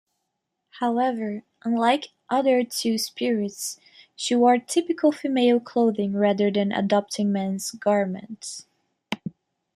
However, unlike other Two-Spirits, she wore typical female clothing rather than adopting men's garments.